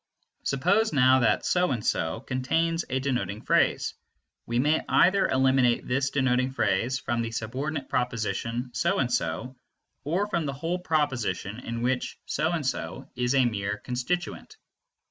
Suppose now that "so and so" contains a denoting phrase. We may either eliminate this denoting phrase from the subordinate proposition "so and so," or from the whole proposition in which "so and so" is a mere constituent.